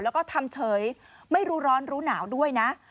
แล้วก็ทำเฉยไม่รู้ร้อนรู้หนาวด้วยนะ